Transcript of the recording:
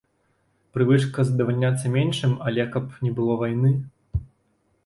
Прывычка задавальняцца меншым, але каб не было вайны?